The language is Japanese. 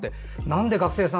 なんで学生さん